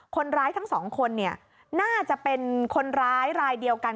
ทั้งสองคนน่าจะเป็นคนร้ายรายเดียวกัน